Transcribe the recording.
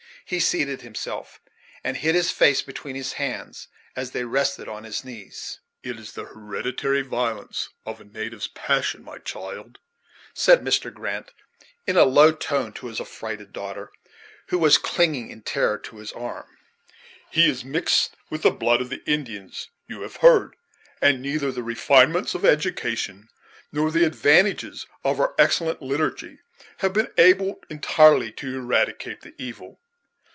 He seated himself, and hid his face between his hands, as they rested on his knees. "It is the hereditary violence of a native's passion, my child," said Mr. Grant in a low tone to his affrighted daughter, who was clinging in terror to his arm. "He is mixed with the blood of the Indians, you have heard; and neither the refinements of education nor the advantages of our excellent liturgy have been able entirely to eradicate the evil.